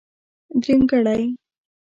درېمګړی.